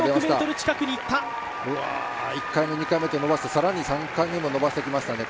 うわ１回目、２回目と伸ばして更に３回目も伸ばしてきましたね。